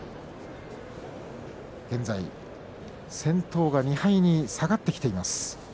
現在、先頭が２敗に下がってきています。